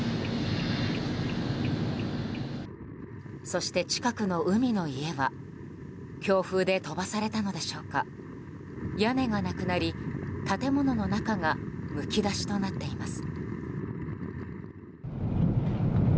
そして、近くの海の家は強風で飛ばされたのでしょうか屋根がなくなり、建物の中がむき出しとなっています。